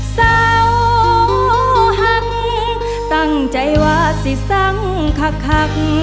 เสาหักตั้งใจว่าสิสังคัก